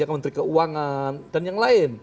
kementerian keuangan dan yang lain